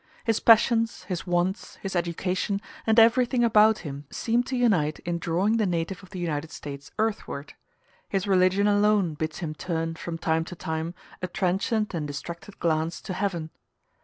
His passions, his wants, his education, and everything about him seem to unite in drawing the native of the United States earthward: his religion alone bids him turn, from time to time, a transient and distracted glance to heaven.